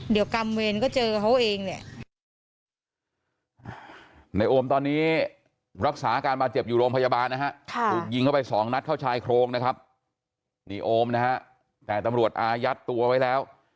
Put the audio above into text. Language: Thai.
เราไม่เหมือนเขา